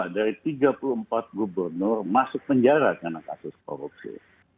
dua puluh dua dari tiga puluh empat gubernur masuk penjara karena kasus korupsi